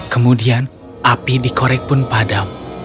kemudian api di korek pun padam